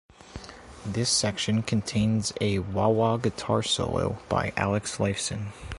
This section contains a wah-wah guitar solo by Alex Lifeson.